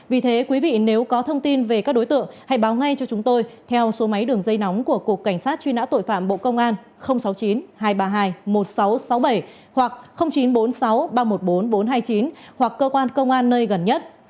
vì thế quý vị nếu có thông tin về các đối tượng hãy báo ngay cho chúng tôi theo số máy đường dây nóng của cục cảnh sát truy nã tội phạm bộ công an sáu mươi chín hai trăm ba mươi hai một nghìn sáu trăm sáu mươi bảy hoặc chín trăm bốn mươi sáu ba trăm một mươi bốn bốn trăm hai mươi chín hoặc cơ quan công an nơi gần nhất